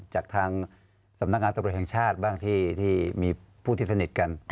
จากทางสำนักงานตำรวจแห่งชาติบ้างที่มีผู้ที่สนิทกัน